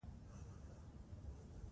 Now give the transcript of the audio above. انار د افغانستان طبعي ثروت دی.